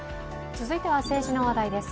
続いては政治の話題です。